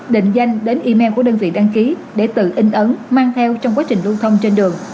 định danh đến email của đơn vị đăng ký để tự in ấn mang theo trong quá trình lưu thông trên đường